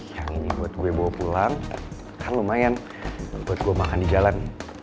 yang membuat gue bawa pulang kan lumayan buat gue makan di jalan